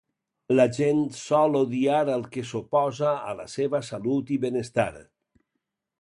La gent sol odiar al que s'oposa a la seva salut i benestar.